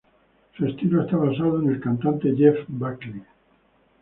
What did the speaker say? Su estilo está basado en el cantante Jeff Buckley.